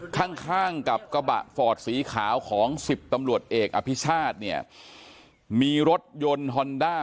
ข้างข้างกับกระบะฟอร์ดสีขาวของ๑๐ตำรวจเอกอภิชาติเนี่ยมีรถยนต์ฮอนด้า